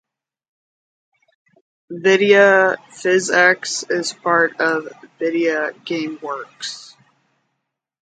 Nvidia PhysX is part of Nvidia GameWorks.